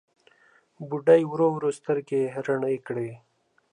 بوډۍ ورو ورو سترګې رڼې کړې.